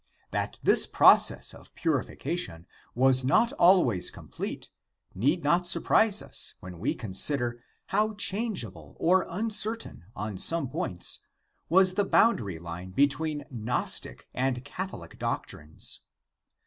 That this process of purification was not always complete need not surprise us when we consider how changeable or uncertain on some points was the boundary line between Gnostic and Catholic doctrines.